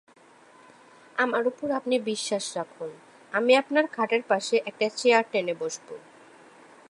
আমার ওপর আপনি বিশ্বাস রাখুন, আমি আপনার খাটের পাশে একটা চেয়ার টেনে বসব।